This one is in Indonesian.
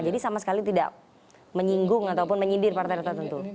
jadi sama sekali tidak menyinggung ataupun menyidir partai tertentu